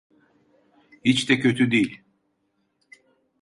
Hiç de kötü değil.